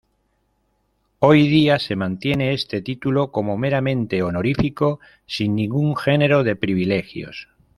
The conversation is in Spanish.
Hoy día se mantiene este título como meramente honorífico sin ningún genero de privilegios.